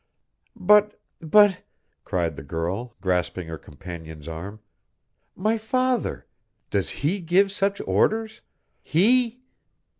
"But but!" cried the girl, grasping her companion's arm. "My father! Does he give such orders? _He?